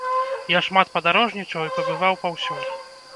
Я шмат падарожнічаў і пабываў паўсюль.